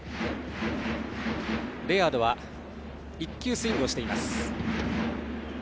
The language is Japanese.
レアードは１球、スイングしています。